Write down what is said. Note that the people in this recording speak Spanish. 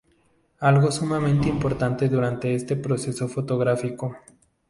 Algo sumamente importante durante este proceso fotográfico.